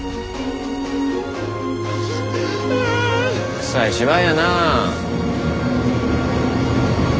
くさい芝居やな。